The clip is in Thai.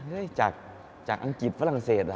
จริงไหมจากอังกฤษฝรั่งเศสล่ะ